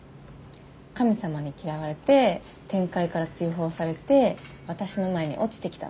神様に嫌われて天界から追放されて私の前に落ちてきたの。